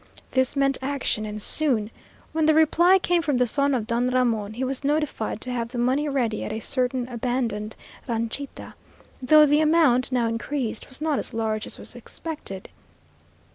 This meant action, and soon. When the reply came from the son of Don Ramon, he was notified to have the money ready at a certain abandoned ranchita, though the amount, now increased, was not as large as was expected.